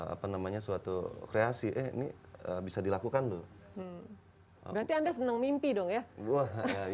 apa namanya suatu kreasi ini bisa dilakukan tuh berarti anda senang mimpi dong ya